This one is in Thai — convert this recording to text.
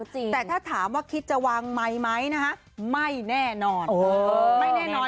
แต่ถ้าถามว่าคิดจะวางไมค์ไหมนะฮะไม่แน่นอนไม่แน่นอน